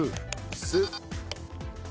酢。